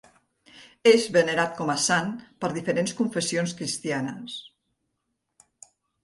És venerat com a sant per diferents confessions cristianes.